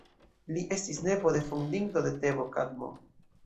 Li estis nepo de fondinto de Tebo Kadmo.